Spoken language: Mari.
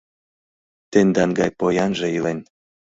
Тендан гай поянже илен.